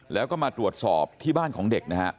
แล้วก็มาตรวจสอบที่บ้านของเด็กนะฮะ